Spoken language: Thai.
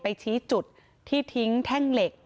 ชี้จุดที่ทิ้งแท่งเหล็ก